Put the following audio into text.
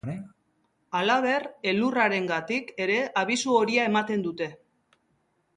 Halaber, elurrarengatik ere abisu horia eman dute.